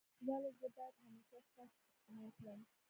ولي زه باید همېشه ستاسو پوښتنه وکړم؟